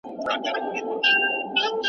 راځه جهاني بس که د غزل له سترګو اوښکي .